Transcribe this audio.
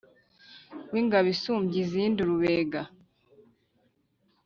W'ingabo isumbya izindi urubega,